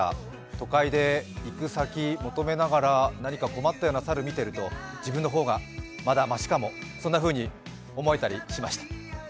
都会で行く先、求めながら何か困ったような猿を見てると自分の方がまだマシかも、そんなふうに思えたりしました。